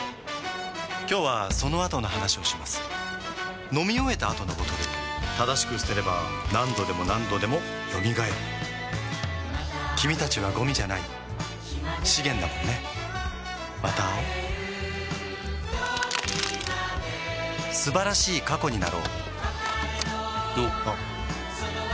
今日はそのあとの話をします飲み終えた後のボトル正しく捨てれば何度でも何度でも蘇る君たちはゴミじゃない資源だもんねまた会おう素晴らしい過去になろうおっおっ